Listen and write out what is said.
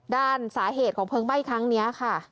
ด้านสาเหตุของเพลิงไหม้ครั้งนี้ค่ะ